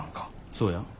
そうや。